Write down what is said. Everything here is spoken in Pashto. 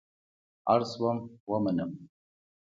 اړ شوم ومنم.